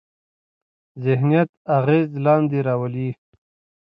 ذهنیت اغېز لاندې راولي.